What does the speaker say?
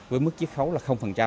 với mức chiếc khấu là